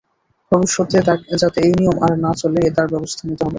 ভবিষ্যতে যাতে এই অনিয়ম আর না চলে, তার ব্যবস্থা নিতে হবে।